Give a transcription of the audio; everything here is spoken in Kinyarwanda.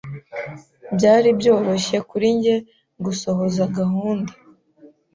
Byari byoroshye kuri njye gusohoza gahunda.